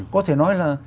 có thể nói là